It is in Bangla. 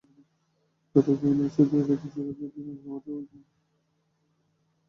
বৈঠকে বিভিন্ন বিশ্ববিদ্যালয়ের ছাত্র-শিক্ষকের বিরুদ্ধে জঙ্গি সম্পৃক্ততার অভিযোগ নিয়ে আলোচনা হয়।